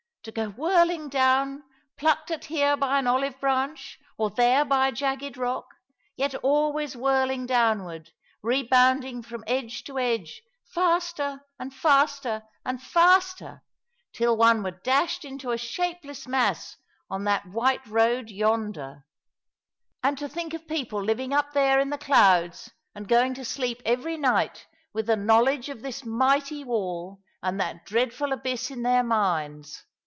To go whirling down, plucked at here by an olive branch, or there by a jagged rock, yet always whirling downward, re bounding from edge to edge, faster, and faster, and faster, till one were dashed into a shapeless mass on that white road yonder !" 2 24 ^^^ along the River, " And to think of people living up there in the clouds, and going to sleep every night with the knowledge of this mighty wall and that dreadful abyss in their minds